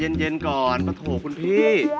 ใจเย็นก่อนพะโถ่คุณพี่